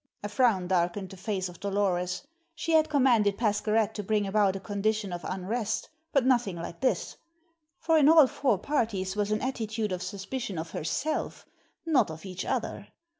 A frown darkened the face of Dolores; she had commanded Pascherette to bring about a condition of unrest, but nothing like this; for in all four parties was an attitude of suspicion of herself, not of each other.